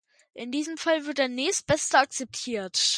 In diesem Fall wird der Nächstbeste akzeptiert.